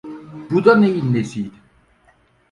Bu da neyin nesiydi?